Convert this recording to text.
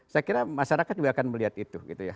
saya kira masyarakat juga akan melihat itu